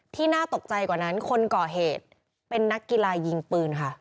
น่าตกใจกว่านั้นคนก่อเหตุเป็นนักกีฬายิงปืนค่ะ